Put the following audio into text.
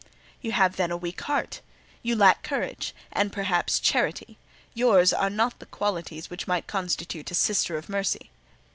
"You have, then, a weak heart! You lack courage; and, perhaps, charity. Yours are not the qualities which might constitute a Sister of Mercy."